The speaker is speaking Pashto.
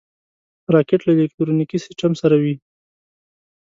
راکټ له الکترونیکي سیسټم سره وي